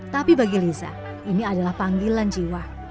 tapi bagi liza ini adalah panggilan jiwa